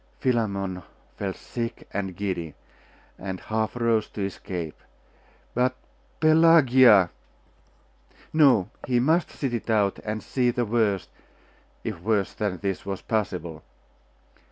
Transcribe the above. Philammon felt sick and giddy, and half rose to escape. But Pelagia!.... No he must sit it out, and see the worst, if worse than this was possible.